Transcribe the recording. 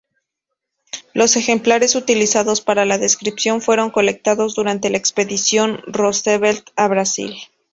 Los ejemplares utilizados para la descripción fueron colectados durante la expedición Roosevelt a Brasil.